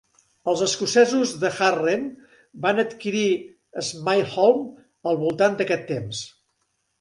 Els escocesos de Harden van adquirir Smailholm al voltant d'aquest temps.